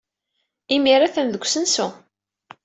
Imir-a, attan deg usensu.